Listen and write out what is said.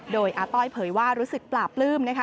โดยอาต้อยเผยว่ารู้สึกปลาปลื้มนะคะ